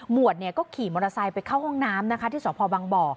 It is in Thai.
หมวดก็ขี่มอเตอร์ไซค์ไปเข้าห้องน้ำที่สพบ